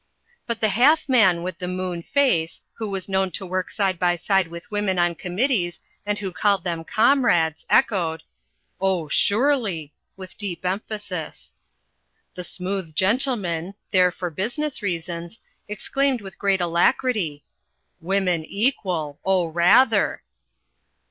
But the Half Man with the Moon Face, who was known to work side by side with women on committees and who called them "Comrades," echoed: "Oh, surely!" with deep emphasis. The Smooth Gentleman, there for business reasons, exclaimed with great alacrity, "Women equal! Oh, rather!"